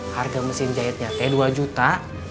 harga mesin jahitnya t dua juta